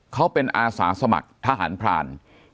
เขาเป็นอาสาสมัครทหารพราน